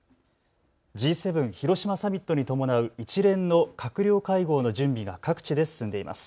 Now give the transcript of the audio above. Ｇ７広島サミットに伴う一連の閣僚会合の準備が各地で進んでいます。